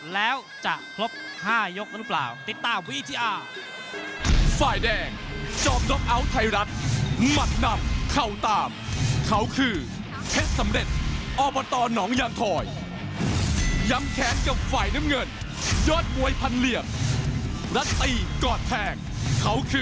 แล้วจะครบห้ายกหรือเปล่าติ๊กต้าวีทีอาร์